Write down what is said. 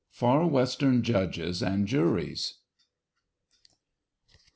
FAR WESTERN JUDGES AND JURIES.